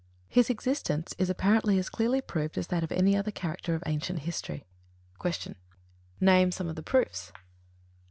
His existence is apparently as clearly proved as that of any other character of ancient history. 102. Q. _Name some of the proofs?